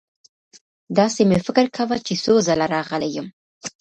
داسې مې فکر کاوه چې څو ځله راغلی یم.